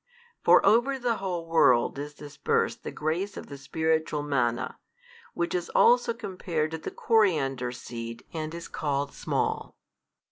For over the whole world is dispersed the grace of the spiritual manna, which is also compared to the coriander seed, and is called small.